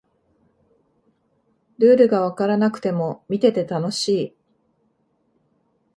ルールがわからなくても見てて楽しい